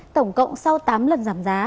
tổng cộng sau tám lần giảm giá